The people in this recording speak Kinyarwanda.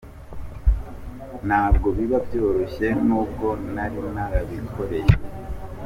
Ntabwo biba byoroshye n’ubwo nari narabikoreye.